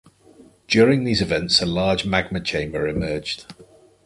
During these events a large magma chamber emerged.